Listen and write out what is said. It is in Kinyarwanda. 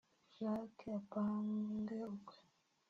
Jack apange ukwe